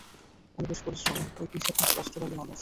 উনি বেশ পরিশ্রমী, একই সাথে স্পষ্টবাদী মানুষ।